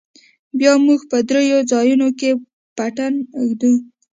بيا موږ په درېو ځايونو کښې پټن ږدو.